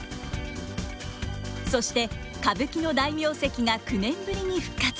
そして歌舞伎の大名跡が９年ぶりに復活！